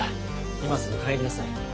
今すぐ帰りなさい。